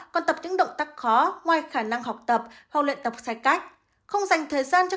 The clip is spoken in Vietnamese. còn tập những động tắc khó ngoài khả năng học tập hoặc luyện tập sai cách không dành thời gian cho